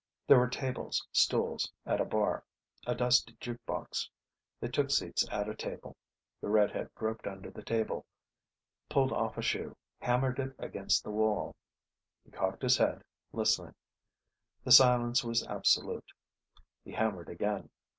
There were tables, stools at a bar, a dusty juke box. They took seats at a table. The red head groped under the table, pulled off a shoe, hammered it against the wall. He cocked his head, listening. The silence was absolute. He hammered again.